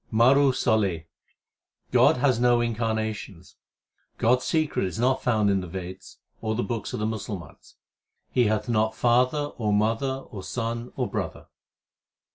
MARU SOLHE God has no incarnations : God s secret is not found in the Veds or the books of the Musalmans ; He hath not father or mother or son or brother.